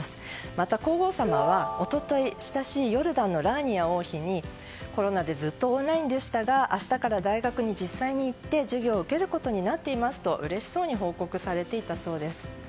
また、皇后さまは一昨日親しいヨルダンのラーニア王妃にコロナでずっとオンラインでしたが明日から大学に実際に行って、授業を受けることになっていますとうれしそうに報告されていたそうです。